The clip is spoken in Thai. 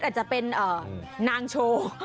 อาจจะเป็นนางโชว์